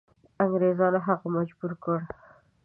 انګریزانو هغه مجبور کړ.